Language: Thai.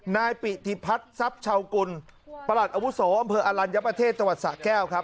นายปิติพัฒน์ทรัพย์ชาวกุลประหลัดอาวุโสอำเภออลัญญประเทศจังหวัดสะแก้วครับ